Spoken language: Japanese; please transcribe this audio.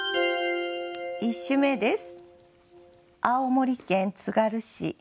１首目です。